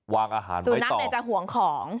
วางอาหารไปต่อสุนัขเนี่ยจะห่วงของ